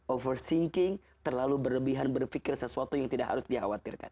overthinking terlalu berlebihan berpikir sesuatu yang tidak harus dikhawatirkan